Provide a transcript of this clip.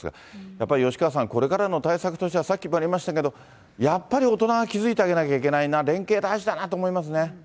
やっぱり吉川さん、これからの対策としては、さっきもありましたけど、やっぱり大人が気付いてあげなきゃいけないな、連携大事だなと思いますね。